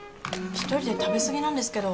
１人で食べ過ぎなんですけど。